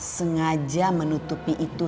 sengaja menutupi itu